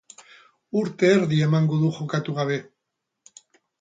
Urte erdi emango du jokatu gabe.